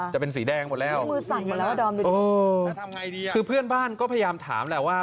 จะเป็นสีแดงหมดแล้วโอ้โฮคือเพื่อนบ้านก็พยายามถามแหละว่า